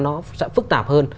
nó sẽ phức tạp hơn